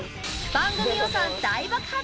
番組予算大爆発！